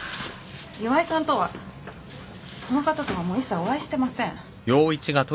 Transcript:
岩井さんとはその方とはもう一切お会いしてません。